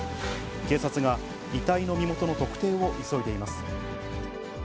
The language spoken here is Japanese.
警察が遺体の身元の特定を急いでいます。